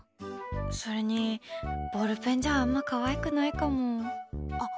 それに、ボールペンじゃあんま可愛くないかも。